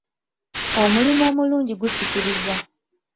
Omulimu omulungi gusikiriza.